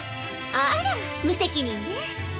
あら無責任ね。